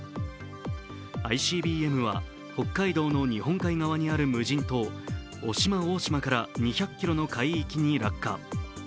ＩＣＢＭは北海道の日本海側にある無人島、渡島大島から２００ｋｍの海域に落下。